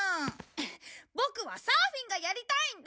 ボクはサーフィンがやりたいんだ！